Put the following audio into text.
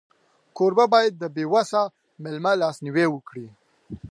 کوربه باید د بېوسه مېلمه لاسنیوی وکړي.